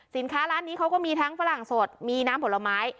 ร้านนี้เขาก็มีทั้งฝรั่งสดมีน้ำผลไม้